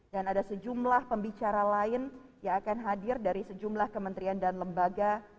dan ada sejumlah pembicara lain yang akan hadir dari sejumlah kementerian dan lembaga